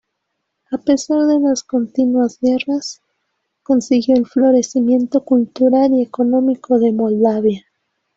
A pesar de las continuas guerras, consiguió el florecimiento cultural y económico de Moldavia.